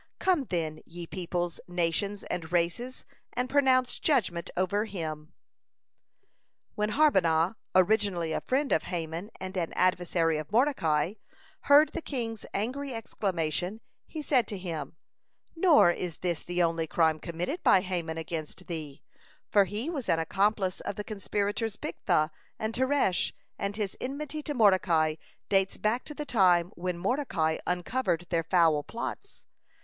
Come, then, ye peoples, nations, and races, and pronounce judgment over him!" (181) When Harbonah, originally a friend of Haman and an adversary of Mordecai, heard the king's angry exclamation, he said to him: "Nor is this the only crime committed by Haman against thee, for he was an accomplice of the conspirators Bigthan and Teresh, and his enmity to Mordecai dates back to the time when Mordecai uncovered their foul plots.